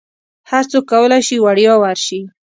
هرڅوک کولی شي وړیا ورشي.